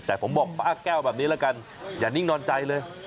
แต่ผมบอกป้าแก้วแบบนี้ละกันอย่านิ่งนอนใจเลย